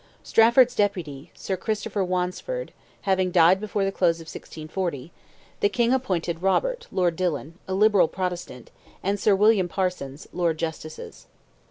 Strafford's Deputy, Sir Christopher Wandesford, having died before the close of 1640, the King appointed Robert, Lord Dillon, a liberal Protestant, and Sir William Parsons, Lords Justices.